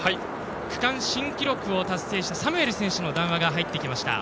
区間新記録を達成したサムエル選手の談話が入ってきました。